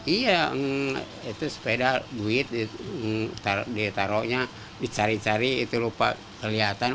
iya itu sepeda duit ditaruhnya dicari cari itu lupa kelihatan